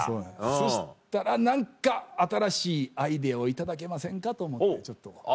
そしたら何か新しいアイデアを頂けませんかと思ってちょっと。